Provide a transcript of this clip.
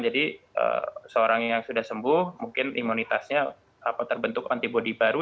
jadi seorang yang sudah sembuh mungkin imunitasnya terbentuk antibody baru